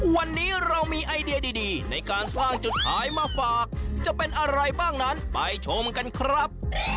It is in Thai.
วันนี้เรามีไอเดียดีในการสร้างจุดขายมาฝากจะเป็นอะไรบ้างนั้นไปชมกันครับ